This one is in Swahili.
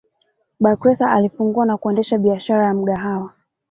Bakhresa alifungua na kuendesha biashara ya Mgahawa